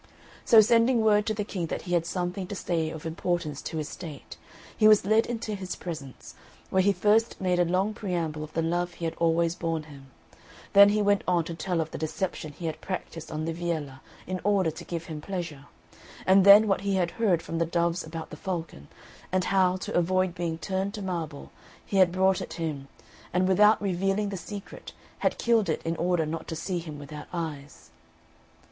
So sending word to the King that he had something to say of importance to his state, he was led into his presence, where he first made a long preamble of the love he had always borne him; then he went on to tell of the deception he had practiced on Liviella in order to give him pleasure; and then what he had heard from the doves about the falcon, and how, to avoid being turned to marble, he had brought it him, and without revealing the secret had killed it in order not to see him without eyes.